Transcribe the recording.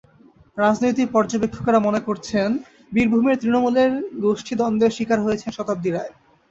রাজনৈতিক পর্যবেক্ষকেরা মনে করছেন, বীরভূমের তৃণমূলের গোষ্ঠী দ্বন্দ্বের শিকার হয়েছেন শতাব্দী রায়।